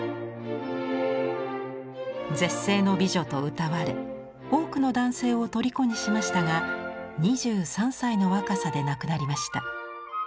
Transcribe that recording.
絶世の美女とうたわれ多くの男性をとりこにしましたが２３歳の若さで亡くなりました。